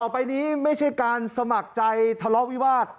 ไปนี้ไม่ใช่การสมัครใจทะเลาะวิวาส